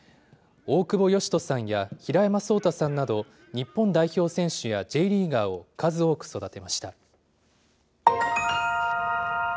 大久保嘉人さんや、平山相太さんなど、日本代表選手やＪリーガーを数多く育てました。